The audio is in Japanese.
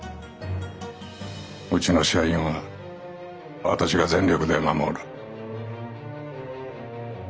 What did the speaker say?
うちの社員は私が全力で守る。